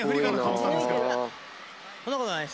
「そんなことないです。